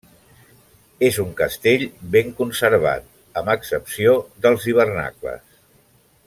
És un castell ben conservat amb excepció dels hivernacles.